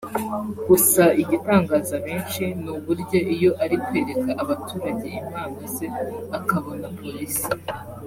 Gusa igitangaza benshi ni uburyo iyo ari kwereka abaturage impano ze akabona polisi